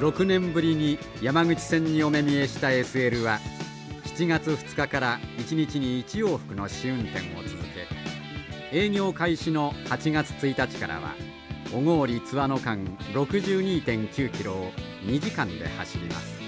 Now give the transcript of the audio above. ６年ぶりに山口線にお目見えしたＳＬは７月２日から一日に１往復の試運転を続け営業開始の８月１日からは小郡−津和野間６２．９キロを２時間で走ります。